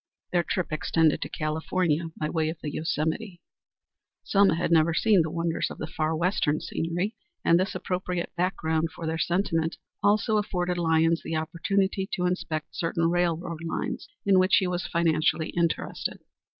Their trip extended to California by way of the Yosemite. Selma had never seen the wonders of the far western scenery, and this appropriate background for their sentiment also afforded Lyons the opportunity to inspect certain railroad lines in which he was financially interested.